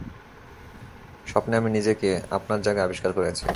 স্বপ্নে আমি নিজেকে আপনার জায়গায় আবিষ্কার করেছি।